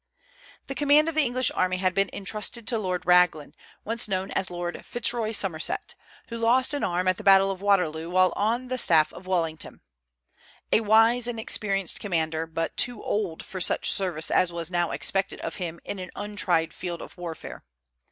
The command of the English army had been intrusted to Lord Raglan, once known as Lord Fitzroy Somerset, who lost an arm at the battle of Waterloo while on the staff of Wellington; a wise and experienced commander, but too old for such service as was now expected of him in an untried field of warfare.